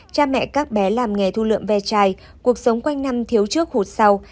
cha mẹ các bé làm nghề thu lượm ve chai cuộc sống quanh năm thiếu trước hụt sau